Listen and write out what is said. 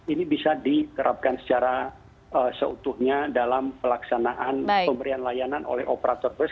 ini bisa diterapkan secara seutuhnya dalam pelaksanaan pemberian layanan oleh operator bus